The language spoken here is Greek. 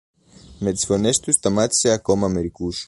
Με τις φωνές του σταμάτησε ακόμα μερικούς.